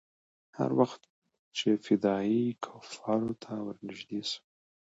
هر وخت چې فدايي کفارو ته ورنژدې سو.